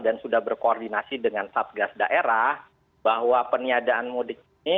dan sudah berkoordinasi dengan satgas daerah bahwa peniadaan mudik ini